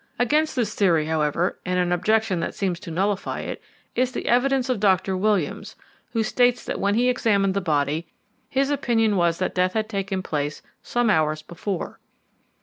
Against this theory, however, and an objection that seems to nullify it, is the evidence of Dr. Williams, who states that when he examined the body his opinion was that death had taken place some hours before.